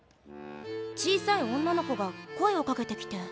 小さい女の子が声をかけてきて。